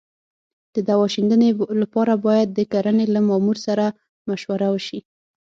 د دوا شیندنې لپاره باید د کرنې له مامور سره مشوره وشي.